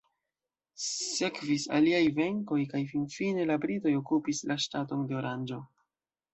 Sekvis aliaj venkoj kaj finfine la britoj okupis la ŝtaton de Oranĝo.